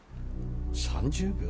３０秒？